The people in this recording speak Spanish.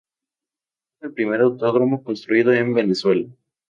Es el Primer Autódromo construido en Venezuela.